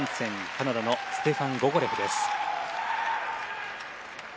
カナダのステファン・ゴゴレフです。